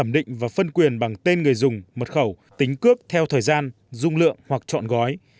định và phân quyền bằng tên người dùng mật khẩu tính cướp theo thời gian dung lượng hoặc chọn gói